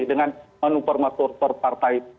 dengan manufarmatur perpartai